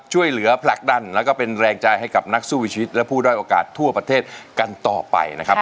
ผลักดันแล้วก็เป็นแรงใจให้กับนักสู้ชีวิตและผู้ด้อยโอกาสทั่วประเทศกันต่อไปนะครับ